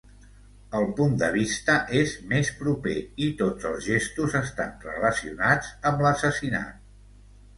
El punt de vista és més proper i tots els gestos estan relacionats amb l'assassinat.